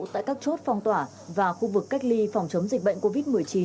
tại các chốt phong tỏa và khu vực cách ly phòng chống dịch bệnh covid một mươi chín